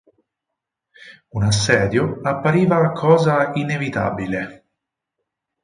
Un assedio appariva cosa inevitabile.